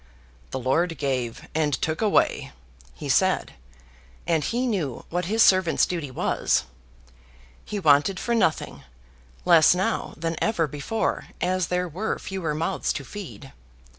"The Lord gave and took away," he said; and he knew what His servant's duty was. He wanted for nothing less now than ever before, as there were fewer mouths to feed.